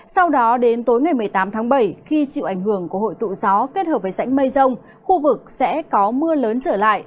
sau đó đến tối ngày một mươi tám tháng bảy khi chịu ảnh hưởng của hội tụ gió kết hợp với rãnh mây rông khu vực sẽ có mưa lớn trở lại